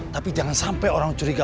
tapi jangan sampai orang curiga